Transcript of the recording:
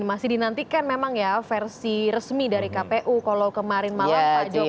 masih dinantikan memang ya versi resmi dari kpu kalau kemarin malam pak jokowi